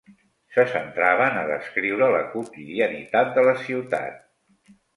Se centraven a descriure la quotidianitat de la ciutat.